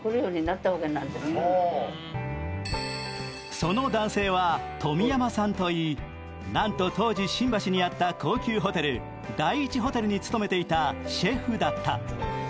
その男性は、富山さんといいなんと当時、新橋にあった高級ホテル、第一ホテルに勤めていたシェフだった。